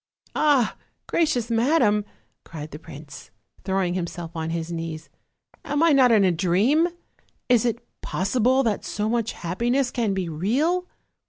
"Ah! gracious madam," cried the prince, throwing himself on his knees, "am I not in a dream? is it possi ble that so much happiness can be real?"